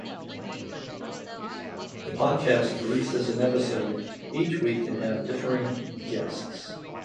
The podcast releases an episode each week and have differing guests.